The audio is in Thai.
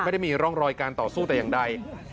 ไม่ได้มีร่องรอยการต่อสู้แต่อย่างใด